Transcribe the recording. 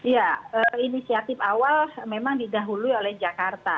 ya inisiatif awal memang didahului oleh jakarta